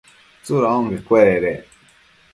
¿tsuda onquecuededec?